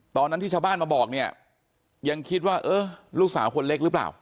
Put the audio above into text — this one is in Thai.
ตอนนั้นที่ชาวบ้านมาบอกเนี่ยยังคิดว่าเออลูกสาวคนเล็กหรือเปล่า